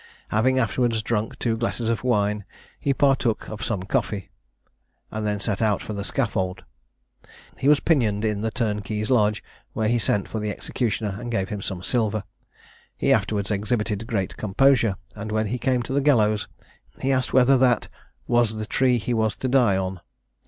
Having afterwards drunk two glasses of wine, he partook of some coffee, and then set out for the scaffold. He was pinioned in the turnkey's lodge, where he sent for the executioner and gave him some silver. He afterwards exhibited great composure, and when he came to the gallows, he asked whether that "was the tree he was to die on?"